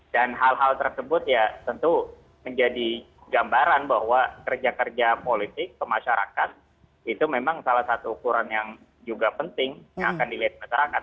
dan hal hal tersebut ya tentu menjadi gambaran bahwa kerja kerja politik ke masyarakat itu memang salah satu ukuran yang juga penting yang akan dilihat masyarakat